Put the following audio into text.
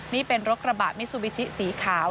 นี่เป็นรถกระบะมิซูบิชิสีขาว